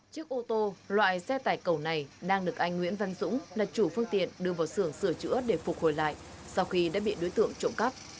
chiếc ô tô loại xe tải cầu này đang được anh nguyễn văn dũng là chủ phương tiện đưa vào sưởng sửa chữa để phục hồi lại sau khi đã bị đối tượng trộm cắp